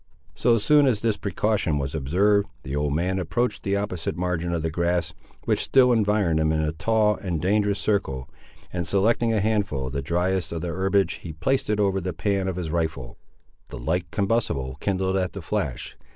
So soon as this precaution was observed, the old man approached the opposite margin of the grass, which still environed them in a tall and dangerous circle, and selecting a handful of the driest of the herbage he placed it over the pan of his rifle. The light combustible kindled at the flash.